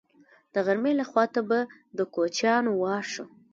د غرمې خوا ته به د کوچیانو وار شو.